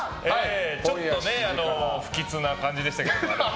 ちょっと不吉な感じでしたけど。